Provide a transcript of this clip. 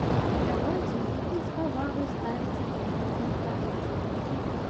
Лявонцій, які з павагай ставіцца да народных традыцый.